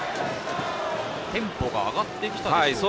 テンポが上がってきたんでしょうか。